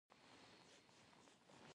نجلۍ د هر خوب تعبیر ده.